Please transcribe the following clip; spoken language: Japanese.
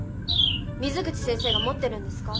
水口先生が持ってるんですか？